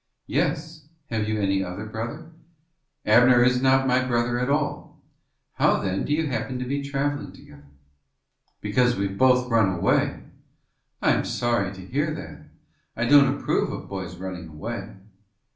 "Yes; have you any other brother?" "Abner is not my brother at all." "How, then, do you happen to be traveling together?" "Because we've both run away." "I am sorry to hear that. I don't approve of boys running away.